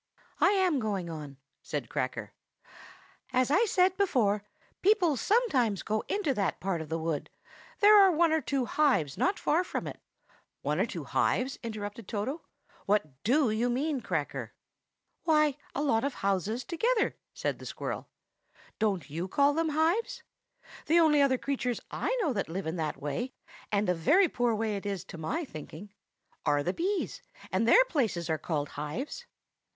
"I am going on," said Cracker. "As I said before, people sometimes go into that part of the wood; there are one or two hives not far from it." "One or two hives?" interrupted Toto. "What do you mean, Cracker?" "Why, a lot of houses together," said the squirrel. "Don't you call them hives? The only other creatures I know that live in that kind of way (and a very poor way it is, to my thinking) are the bees, and their places are called hives."